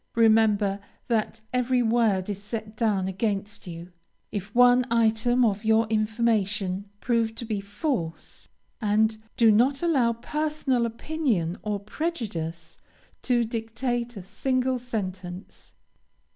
Remember that every word is set down against you, if one item of your information prove to be false; and do not allow personal opinion or prejudice to dictate a single sentence.